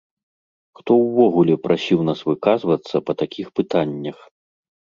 Хто ўвогуле прасіў нас выказвацца па такіх пытаннях?